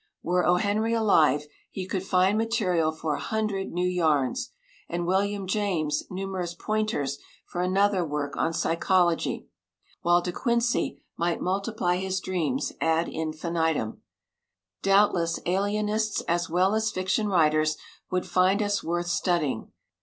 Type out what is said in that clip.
Were O. Henry alive, he could find material for a hundred new yarns, and William James numerous pointers for another work on psychology, while De Quincey might multiply his dreams ad infinitum. Doubtless alienists as well as fiction writers would find us worth studying.